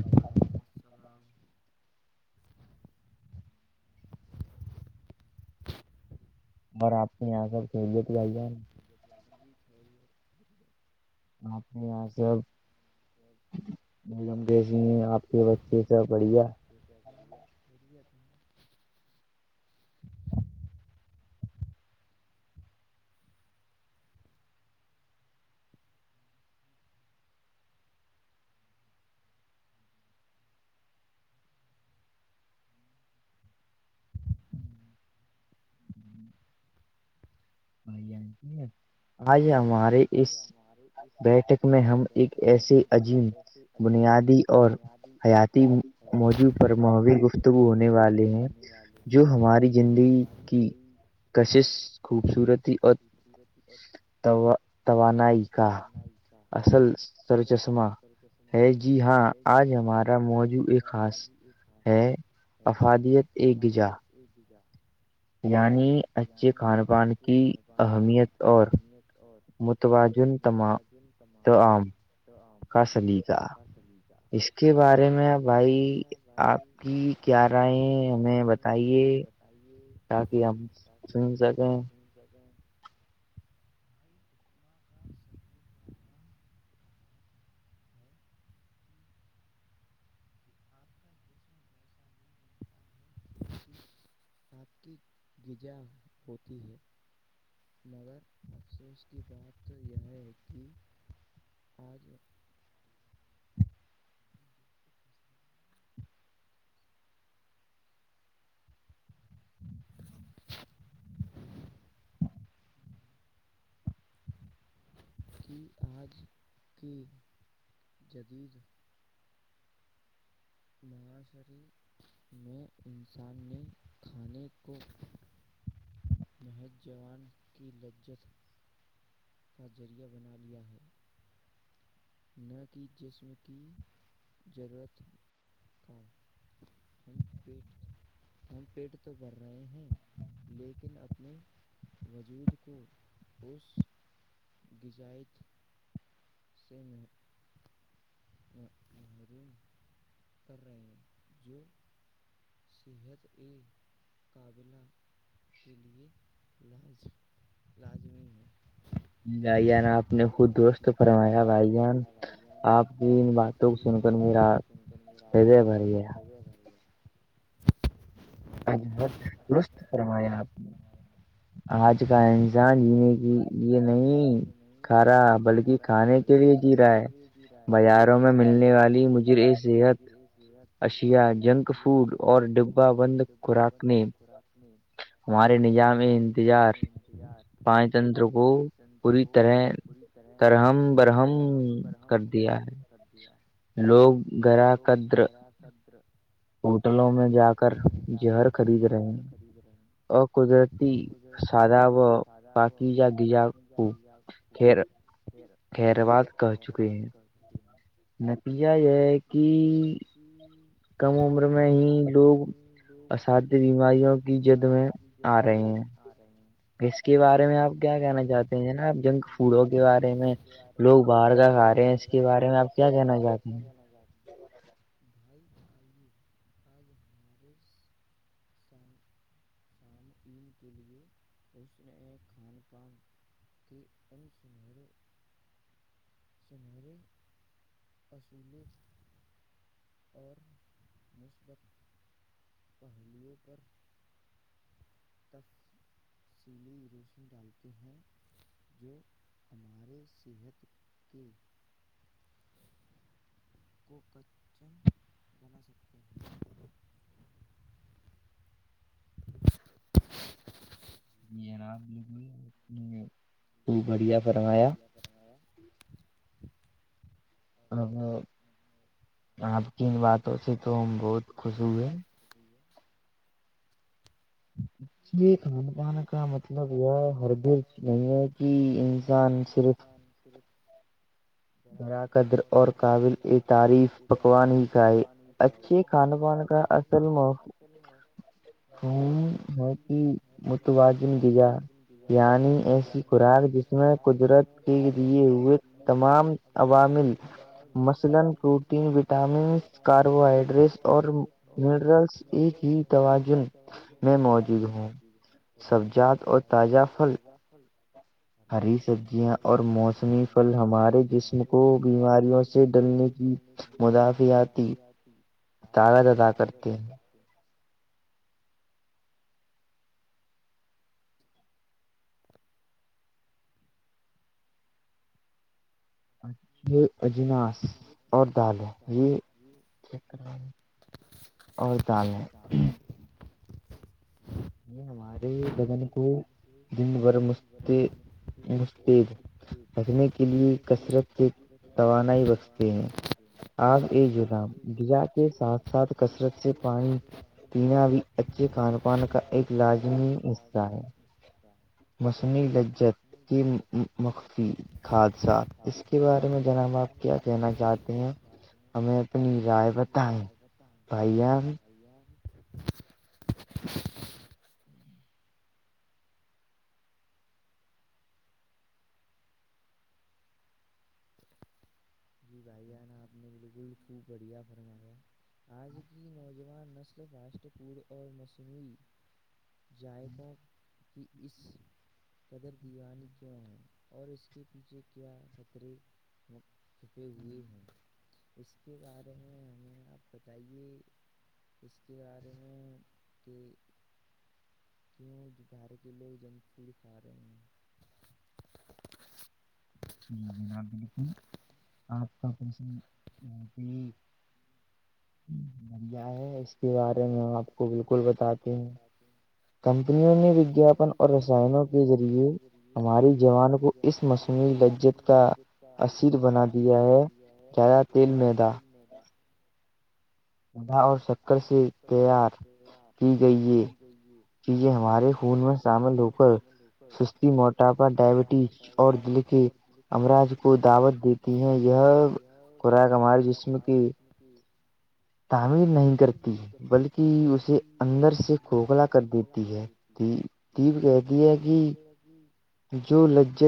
بھائی رحم السلام بر آپنی آگر [unintelligible] اور آ م جی کھیلت خھیت آپ کے یہاں سےب نم دیسی نے آپ جو آپ کے وے کو خیریت ہیں آ آئی آؤ آ اس بیٹٹک میں ہم ایک ایسے عجیب بنیادی اور حیاتی موضوع پر محوی گفتگو ہونے والے ہیں جو ہماری زندگی کی کشش کو تس خبصورتی اور توانائی کا اصل سروچشمہ ہے جی ہاں آج ہمارا موضوع ایک خاص ہے افادیت ایک غذا ایک دیجہ جیعانی [unintelligible] اچھے کھان پان کی اہمیت اور متوازن تم تو عام کا سلیقہ اس کے بارے میں بھائی آپ کی کیا رائے ہمیں بتائیے تئیے [unintelligible] تاک ہم [unintelligible] ج ت جگہ [unintelligible] آپ کی غجا ہوتی ہے مگر افسوس کی بات تو یہ ہے کہ ہاں ج [unintelligible] [inaudible] کہ آج کے جدید معاشر میں انسان نے کھانے کو مہج جوان کی لجت کا ذریعہ بنا لیا ہے نہ کہ جسم کی ضرورت کام ہمم پیٹ ہم پیٹ تو بھر رہے ہیں لیکن اپنے وجود کو اس گغجائت [unintelligible] سے میں م روم کر رہے ہیں جو صحت ا قابلہ کے لیے علاج لازمی ہے بھائی جان آپ نے خود دوست فرمایا بھائی جان آپ کی بات دکھ سن کر ما پدے بے اج ب دست فرمایا آپ نے آج کا انسان جیں کی یہ نہیں کھا رہا بلکہ کھانے کے لیے کھانے کے لیے جی رائے بازاروں میں ملنے والی مجر ایک صحت اشیاء جنک فوڈ اور ڈبا بند ب بند خوراک میں ہمارے نظام انتظار یار پانچتنتر کو پوری طرح طرہم برہم سردیا لوگ لوگ گرا قدر ہوٹلوں میں جا کر جہر خرید رہے ہیں اور قدرتی سادہ و بقی جا گغذا کو کیر خیروال کہ چکے ہیں نتیجہ یہ کہ ہوں کم عمر میں ہی لوگ اساتی بیماریوں کی جد میں آ رہے نہیں اس کے بارے میں آپ کیا کہنا چاہتے ہیں نا آپ جنک فوڈوں کے بارے میں لوگ باہر کا کھ رہے ہیں اس کے بارے میں آپ کیا کہنا چاہتے ہیں کیا کہنا چاہی ہ ہیںوں بھائی آئیے آج ہمارے سام سامعین کے لیے حسنئے کھوان پان کہ ایم س میرو سنہریے اصول اور مثبقت پہلوؤں پر تف چیلیے روشنی ڈالتے ہیں جو ہمارے صحت کے کو کچن بنا سکتے ہیں تو بڑھیا بڑھیا کرنایا آپ کی ان باتوں سے تو ہم بہت خوش ہوئے ریا [unintelligible] اس یہ کھان پان کا مطلب یہ ہے ہر گھر نہیں ہے کہ انسان صرف سان سر گرا قدر مہنگا اصل م ہ ہے کہ متوازن غذا یعنی ایسی خوراک جس اس میں قدرت کے لیے ہوئے تمام عام عوامی م مث کو تین ر کاربوائڈریس ن رہ تواز نوجود میں نوجود میں سب جات اور تازہ پھل فل ہری سبزیاں اور موسمی پھل ہمارے جسم کو بیماریوں سے ڈلنے کی مدافع آتی [unintelligible] اجناس اور دال یہ اور دال ہے یہ ہمارے لگن کو دم بھر مست مستد رکھنے کے لیے کثرت سے توانائی بختے ہیں آگ ا لام غذا کے ساتھ ساتھ کثرت سے پانی پینا بھی اچھے کھان پان کا ایک لازمی حصہ ہے [unintelligible] مصنیعی لجت کی مخفی حادثات اس کے بارے میں جناب آپ کیا کہنا چاہتے ہیں ہمیں اپنی رائےب [unintelligible] جی بھائی جانا آپ نے بالکل خوب بڑھیا فرمایا آج کی نوجوان نسل فاسٹ فوڈ اور مصنوعی جذائقوں کی اس قدر دیوانی کیوں ہے اور اس کے پیچھے کیا خطرے چھپے ہوئے ہیں اس کے بارے میں ہمیں آپ بتائیے اس کے بارے میں کہ کیوں باہر کے لوگ جنک فوڈ کھا رہے ہیں [unintelligible] م ہے اس کے بارے میں آپ کو بالکل بتاتے ہیں کمپنیوں نے وگیااپن اور رسائنوں کے ذریعے ہماری جوان کو اس مصوع لجج کا اصیر بنا دیا ہے گارہ تیل میدا میدا ادھا اور اور ستوں سے تیار کی گئی ہے کہ یہ ہمارے خون میں شامل ہو کر سستی موٹاپا ڈائبٹیز اور دل کے امراج کو دعوت دیتی ہیں یہ خوراک ہمارے جسم کی ہوں تعمیر نہیں کرتی بلکہ اسے اندر سے پھوکھلا کر دیتی ہے کی بکتی ہے گا کہ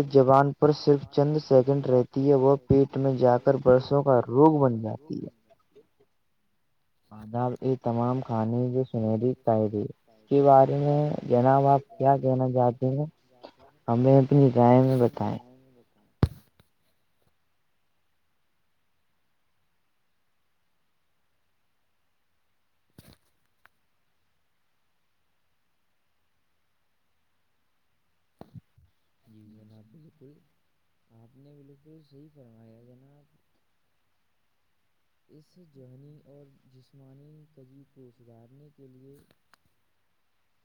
جو لجے زبان پر صرف چند سیکنڈ رہتی ہے وہ پیٹ میں جا کر برسوں کا روگ بن ج ہے آداب یہ تمام کانانی جو سنہری قائری کے بارے میں جناب آپ کیا کہنا چاہتے ہیں ہمیں تو ن ج ہم بتائے [unintelligible] جی جناب بالکل آپ نے بالکل صحیح فرمایا جناب اس ذہنی اور جسمانی کجی کو سدھارنے کے لئے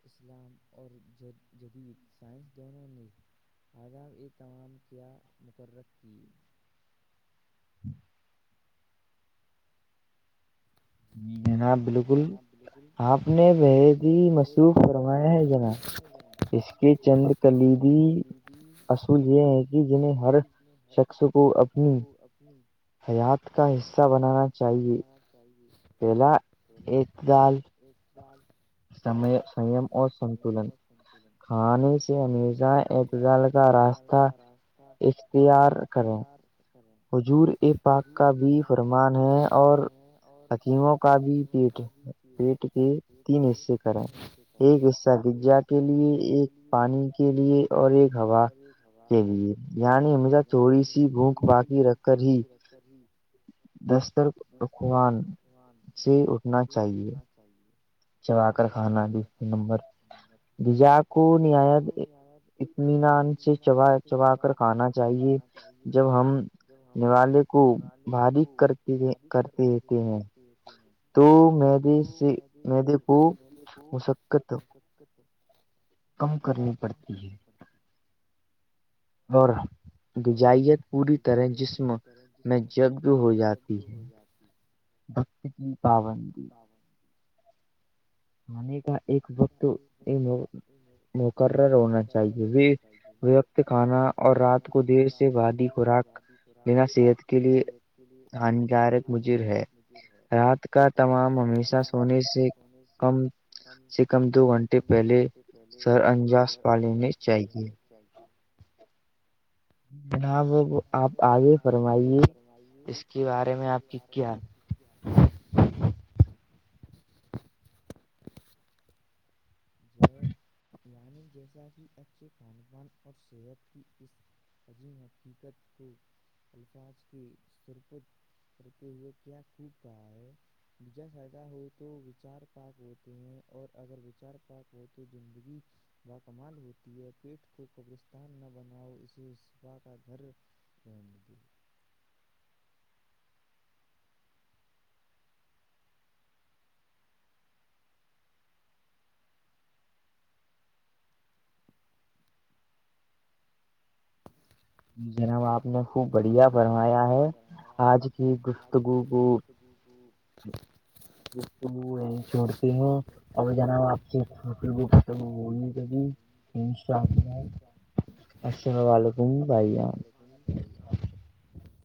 اسلام اور جدید سائنس دونوں نے آداب ا تمام کیا مقرک کیے [unintelligible] جنا بالکل آپ نے جو بھی مو یہ چندر کلیگی اصل یہ ہے کہ ج میں ہر شخص کو اپنی حیات کا حصہ بنانا چاہیے چاہے تلا ایک دال ایک جال سم اور سنتولن کھانے سے ہمیزہ اعتزا لگ ات گال گاراست اشتہار ر کریں حضور ا صاب کا بھی مہمان ہے اور حکیموں کا بھی پیٹ پیٹ کے تین حصے کریں ایک حصہ گرجا کے لیے ایک پانی کے لیے اور ایک ہوا کے لیے یعنی ہمیشہ تھوڑی سی بھوک بااکی رکھ کر ہی ترین دستر افوان سے اٹھنا چاہیے جاہے [unintelligible] چبا کر کھانا ڈس نمبر جا کو نہایت اطمینان سے چا چبا کر کھانا چاہیے جب ہم جب ہم نوالے کو بارش کرتے کرتے رہتے ہیں تو میرری سے ت مد کو کم کرنی پڑتی ہے اور غذائیت پوری طرح جسم میں جگ ہو جاتی ہے بکت کی پابندی م نے کا ایک وقت مقرر ہونا چاہیے کھانا اور رات کو دیر سے بادی خوراک لینا صحت کے لیے ہانیکارک مجر ہے رات کا تمام ہمیشہ سونے سے ج ہم [unintelligible] کم دو گھنٹے پہلے سر انجاز پ لینے چاہیے تھینک یو [unintelligible] جناب آپ آگے فرمائیے اس کے بارے میں آپ کی کیاال ج [inaudible] [unintelligible] ج [unintelligible] یعنی جیسا کہ اچھے کھان پان اور صحت کی اس عظیم حقیقت کو الفاظ کے سرپد کرتے ہوئے کیا خب کہا ہے وج سدہ ہو تو وچار پاک ہوتے ہیں اور اگر وچار پ ہو تو زندگی با کمال ہوتی ہے پیٹ کو قبرستان نہ بناؤ اسےبا کا گھر فملی [unintelligible] جناب آپ نے خوب بڑھیا فرمایا ہے آج کی گفتگو کو تبو کو [unintelligible] گفتگو یہ چھوڑتی ہیں اور جناب آپ کے کیندو [unintelligible] ال السلام علیکم بھائی جان ا پائی [unintelligible]